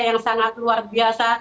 yang sangat luar biasa